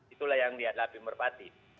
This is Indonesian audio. itulah yang dihadapi merpati